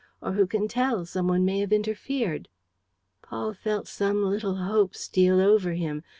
Or who can tell? Some one may have interfered. ..." Paul felt some little hope steal over him.